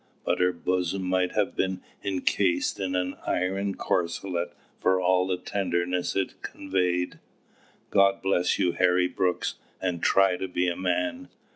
But her bosom might have been encased in an iron corselet for all the tenderness it conveyed. "God bless you, Harry Brooks, and try to be a man!"